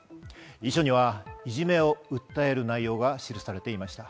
遺書にはいじめを訴える内容が記されていました。